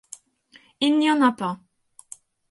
Il n’y en a pas.